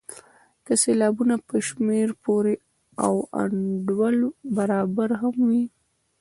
که سېلابونه په شمېر پوره او انډول برابر هم وي.